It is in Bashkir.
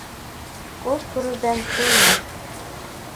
Күҙ күреүҙән туймаҫ.